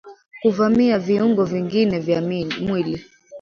kuvamia viungo vingine vya mwili